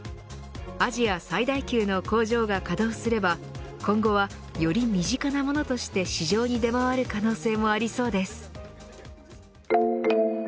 アジア最大級の工場が稼働すれば今後はより身近なものとして市場に出回る可能性もありそうです。